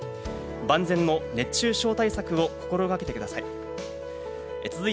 万全の熱中症対策を心がけてください。